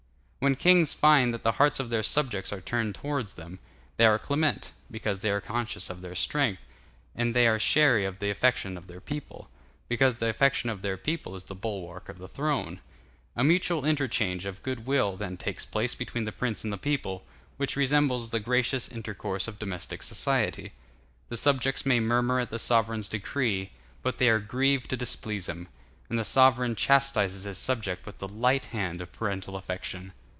When kings find that the hearts of their subjects are turned towards them, they are clement, because they are conscious of their strength, and they are chary of the affection of their people, because the affection of their people is the bulwark of the throne. A mutual interchange of good will then takes place between the prince and the people, which resembles the gracious intercourse of domestic society. The subjects may murmur at the sovereign's decree, but they are grieved to displease him; and the sovereign chastises his subjects with the light hand of parental affection.